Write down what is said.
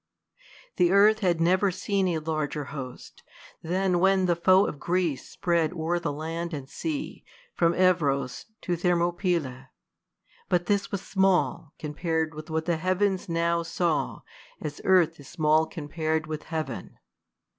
The earth had never seen a larger host, Than when the foe of Greece spread o'er the land And sea from Heb^ us to Thermopylae ; But this was small, c onjpar'd with what the heavens Now saw, as earth is small compar'd with heaven.